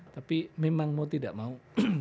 tapi memang mau tidak mau